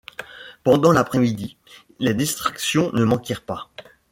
Pendant l’après-midi, les distractions ne manquèrent pas.